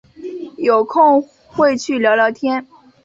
有空会去聊聊天